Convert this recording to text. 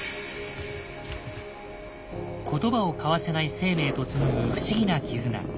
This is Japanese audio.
言葉を交わせない生命と紡ぐ不思議な絆。